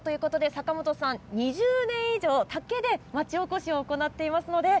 坂元さんは２０年以上竹で町おこしを行っています。